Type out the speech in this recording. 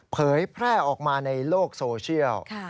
เผยแพร่ออกมาในโลกโซเชียล